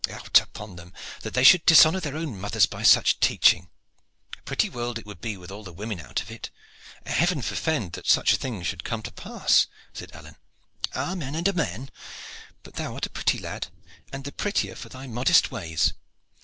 Out upon them! that they should dishonor their own mothers by such teaching. A pretty world it would be with all the women out of it." "Heaven forfend that such a thing should come to pass!" said Alleyne. "Amen and amen! But thou art a pretty lad, and the prettier for thy modest ways.